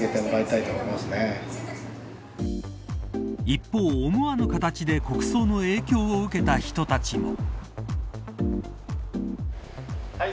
一方、思わぬ形で国葬の影響を受けた人たちも。